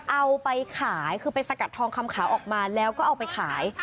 เอาไปขายคือไปสกัดทองคำขาวออกมาแล้วก็เอาไปขาย